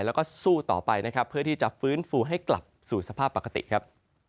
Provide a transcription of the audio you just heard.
แล้วก็สู้ต่อไปนะครับเพื่อที่จะฟื้นฟูให้กลับสู่สภาพปกติครับ